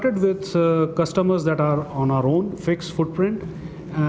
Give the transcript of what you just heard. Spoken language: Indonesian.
jadi kami mulai dengan pelanggan yang berpengalaman tersebut